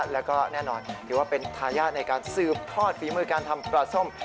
แล้วก็แน่นอนถือว่าเป็นทายาทในการสืบทอดฝีมือการทำปลาส้ม